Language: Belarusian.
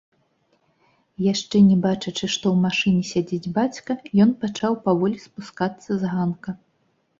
Яшчэ не бачачы, што ў машыне сядзіць бацька, ён пачаў паволі спускацца з ганка.